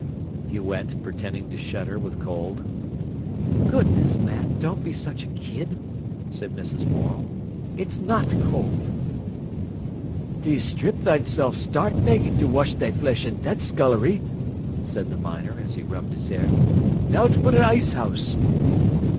he went, pretending to shudder with cold. "Goodness, man, don't be such a kid!" said Mrs. Morel. "It's not cold." "Thee strip thysen stark nak'd to wesh thy flesh i' that scullery," said the miner, as he rubbed his hair; "nowt b'r a ice 'ouse!"